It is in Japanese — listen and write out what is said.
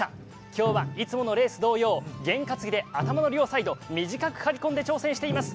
今日はいつものレース同様験担ぎで頭の両サイド、短く刈り込んで挑戦しています。